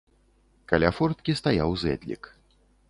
Каля форткі стаяў зэдлік.